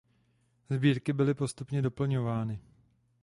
Sbírky byly postupně doplňovány.